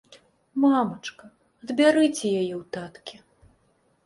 Мамачка, адбярыце яе ў таткі.